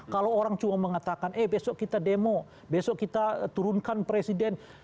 kalau orang cuma mengatakan eh besok kita demo besok kita turunkan presiden